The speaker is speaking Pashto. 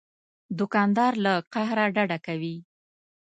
دوکاندار له قهره ډډه کوي.